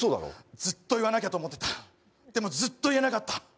ずっと言わなきゃと思ってた、でも、ずっと言えなかった。